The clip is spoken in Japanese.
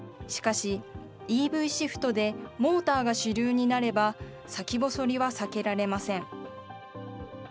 しかし、ＥＶシフトでモーターが主流になれば、先細りは避けられません。